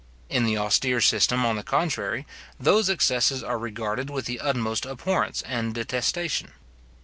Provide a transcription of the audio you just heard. In the austere system, on the contrary, those excesses are regarded with the utmost abhorrence and detestation.